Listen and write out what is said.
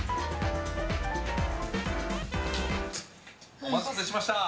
お待たせしました。